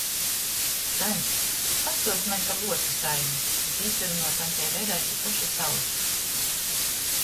"Taņt, pastuosti maņ par Luoču saimi!" es īsarunoju taņtei Verai pi pošys auss.